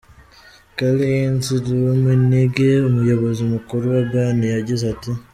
Karl-Heinz Rummenigge, umuyobozi mukuru wa Bayern, yagize ati:.